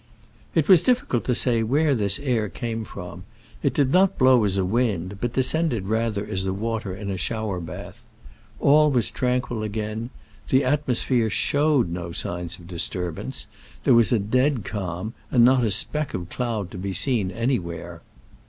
It was difficult to say where this air came from : it did not blow as a wind, but descended rather as the water in a shower bath. All was tranquil again : the atmosphere showed no signs of dis turbance : there was a dead calm, and not a speck of cloud to be seen any where.